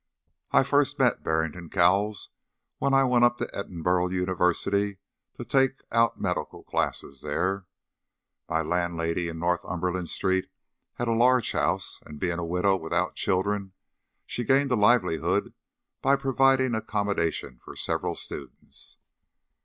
I first met Barrington Cowles when I went up to Edinburgh University to take out medical classes there. My landlady in Northumberland Street had a large house, and, being a widow without children, she gained a livelihood by providing accommodation for several students.